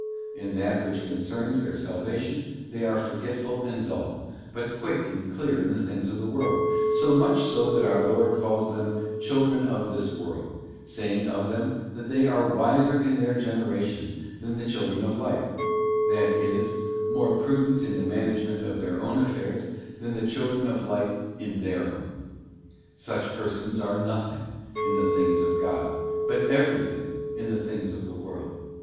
In that ————— which concerns their salvation they are forgetful and dull, but quick and clear in the things of the world, so much so that our Lord calls them ' children of this world,' saying of them, that they ' are wiser in their generation than the chil dren of light ;'* that is, more prudent in the management of their own affairs than the children of light in their own. Such persons are nothing in the things of God, but every thing in the things of the world.